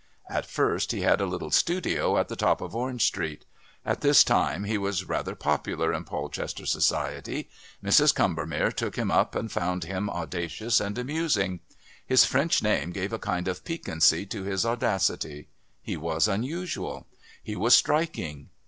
At first he had a little studio at the top of Orange Street. At this time he was rather popular in Polchester society. Mrs. Combermere took him up and found him audacious and amusing. His French name gave a kind of piquancy to his audacity; he was unusual; he was striking.